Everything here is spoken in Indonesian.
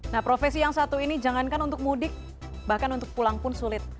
nah profesi yang satu ini jangankan untuk mudik bahkan untuk pulang pun sulit